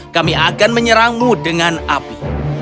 kami akan menyerangmu dengan api